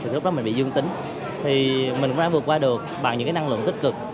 lúc đó mình bị dương tính thì mình cũng đã vượt qua được bằng những năng lượng tích cực